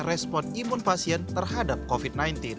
respon imun pasien terhadap covid sembilan belas